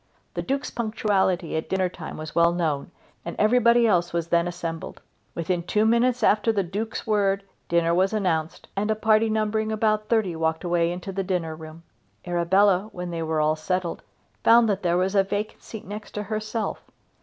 The Duke's punctuality at dinner time was well known, and everybody else was then assembled. Within two minutes after the Duke's word dinner was announced, and a party numbering about thirty walked away into the dinner room. Arabella, when they were all settled, found that there was a vacant seat next herself.